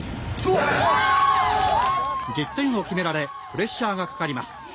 １０点を決められプレッシャーがかかります。